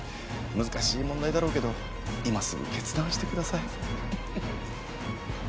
難しい問題だろうけど今すぐ決断してください。